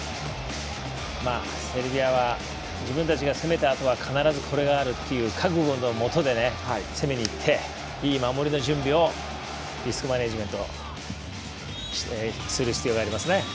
セルビアは自分たちが攻めたあとは必ずこれがあるっていう覚悟のもとで攻めにいっていい守りの準備をリスクマネジメントする必要がありますね。